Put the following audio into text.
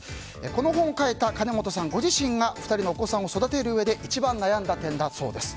この本を書いたかねもとさんご自身が２人のお子さんを育てるうえで一番悩んだ点だそうです。